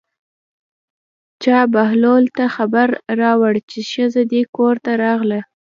چا بهلول ته خبر راوړ چې ښځه دې کور ته راغله.